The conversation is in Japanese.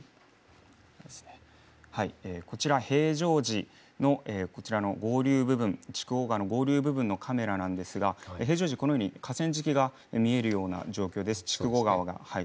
こちら、平常時の筑後川の合流部分のカメラですが平常時、河川敷が見える状況です。